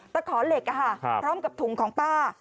ขอเหล็กพร้อมกับถุงของป้า